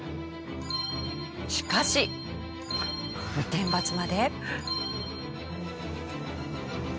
しかし天罰まで。